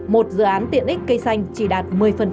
một dự án tiện ích cây xanh chỉ đạt một mươi